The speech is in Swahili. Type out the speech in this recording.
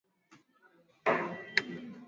linaweka kenya katika hali mbaya zaidi kwanza kenya